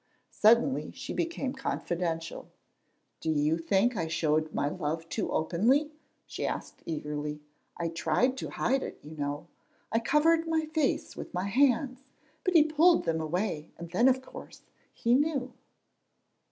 Suddenly she became confidential. "Do you think I showed my love too openly?" she asked eagerly. "I tried to hide it, you know. I covered my face with my hands, but he pulled them away, and then, of course, he knew."